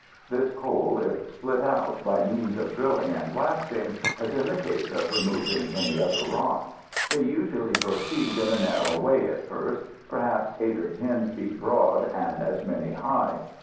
This coal is split out, by means of drilling and blasting, as in the case of removing any other rock. They usually proceed in a narrow way at first, perhaps eight or ten feet broad and as many high.